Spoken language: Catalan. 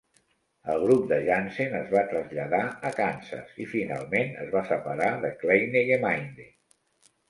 El grup de Jansen es va traslladar a Kansas i, finalment, es va separar de Kleine Gemeinde.